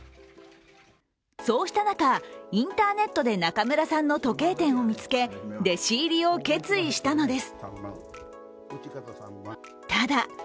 そうした中、インターネットで中村さんの時計店を見つけ弟子入りを決意したのです。